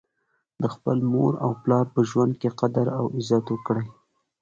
د خپل مور او پلار په ژوند کي قدر او عزت وکړئ